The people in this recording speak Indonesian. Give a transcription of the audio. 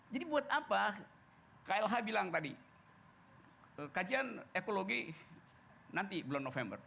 jadi buat apa klh bilang tadi kajian ekologi nanti bulan november